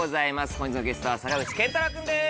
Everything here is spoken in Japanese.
本日のゲストは坂口健太郎君です。